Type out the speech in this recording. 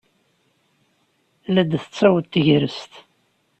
La d-tettaweḍ tegrest.